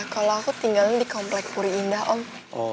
kalau aku tinggal nih di komplek puri indah om